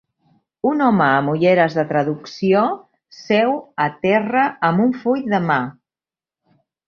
Un home amb ulleres de traducció seu a terra amb un full de mà.